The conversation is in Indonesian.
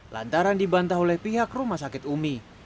lantaran dibantah oleh pihak rumah sakit umi